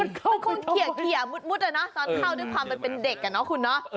มันเข้าไปทางไหนมันคงเขียวมุดเนาะตอนเข้าด้วยความเป็นเด็กเนาะคุณเนาะ